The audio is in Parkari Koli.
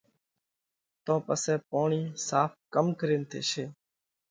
تو پسئہ پوڻِي ساڦ ڪم ڪرينَ ٿيشي؟